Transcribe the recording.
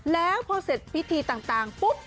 แล้วพอเสร็จพิธีต่างปุ๊บ